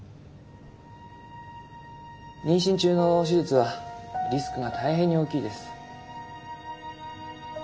妊娠中の手術はリスクが大変に大きいです。